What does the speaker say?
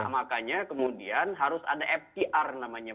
makanya kemudian harus ada ftr namanya